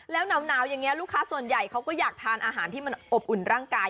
แล้วหนาวอย่างนี้ลูกค้าส่วนใหญ่เขาก็อยากทานอาหารที่มันอบอุ่นร่างกาย